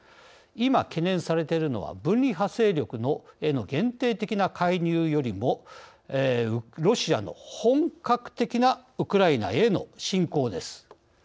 今懸念されているのは分離派勢力への限定的な介入よりもロシアの本格的なウクライナへの侵攻です。